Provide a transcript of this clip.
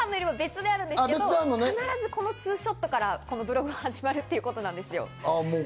ご飯の寄りもあるんですけども、必ずこのツーショットからブログが始まるということなんです